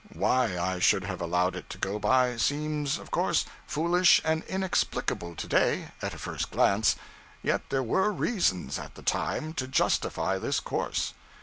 Why I should have allowed it to go by seems, of course, foolish and inexplicable to day, at a first glance; yet there were reasons at the time to justify this course.